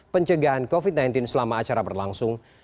pencegahan covid sembilan belas selama acara berlangsung